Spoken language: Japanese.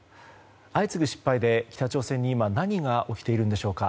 相次ぐ失敗で北朝鮮に今何が起きているんでしょうか。